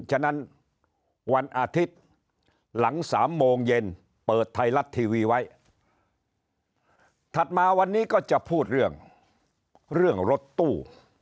ฉะนั้นวันอาทิตย์หลัง๓โมงเย็นเปิดไทยรัฐทีวีไว้ถัดมาวันนี้ก็จะพูดเรื่องเรื่องรถตู้